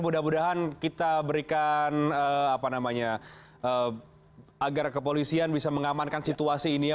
mudah mudahan kita berikan apa namanya agar kepolisian bisa mengamankan situasi ini ya